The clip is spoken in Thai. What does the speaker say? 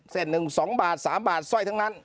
เส้นหนึ่ง๒บาท๓บาทสร้อยทั้งนั้น